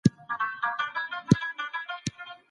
يواځې اقتصادي وده د ټولني د بشپړې هوسايني ضامن نه ده.